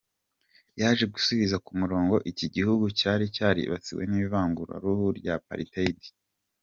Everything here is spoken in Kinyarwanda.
Yaje gusubiza ku murongo iki gihugu cyari cyaribasiwe n’ivanguraruhu ry’apartheid.